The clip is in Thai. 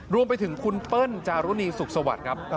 รวมไปถึงคุณเปิ้ลจารุณีสุขสวัสดิ์ครับ